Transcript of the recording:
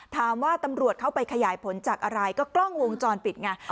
ตำรวจเข้าไปขยายผลจากอะไรก็กล้องวงจรปิดไง